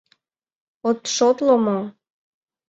— От шотло мо?